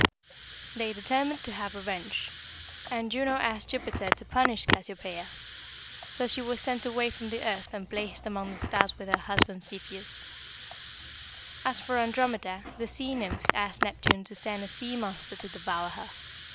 "They determined to have revenge, and Juno asked Jupiter to punish Cassiopeia. So she was sent away from the earth and placed among the stars with her husband Cepheus. [Illustration: KING CEPHEUS.] "As for Andromeda, the sea nymphs asked Neptune to send a sea monster to devour her.